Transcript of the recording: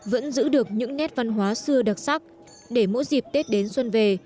vẫn giữ được những nét văn hóa xưa đặc sắc để mỗi dịp tết đến xuân về